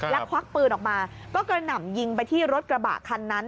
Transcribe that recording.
แล้วควักปืนออกมาก็กระหน่ำยิงไปที่รถกระบะคันนั้น